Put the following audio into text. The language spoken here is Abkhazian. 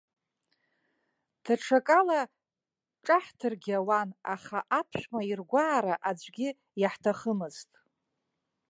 Даҽакала ҿаҳҭыргьы ауан, аха аԥшәма иргәаара аӡәгьы иаҳҭахымызт.